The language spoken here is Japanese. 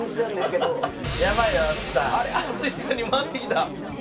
淳さんに回ってきた。